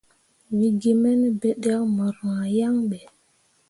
We ge me ne biɗǝkke mor rwah yan be.